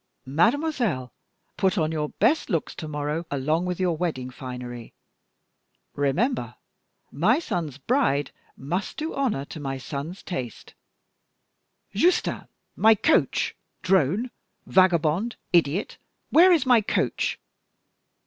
Mademoiselle, put on your best looks to morrow, along with your wedding finery; remember that my son's bride must do honor to my son's taste. Justin! my coach drone, vagabond, idiot, where is my coach?"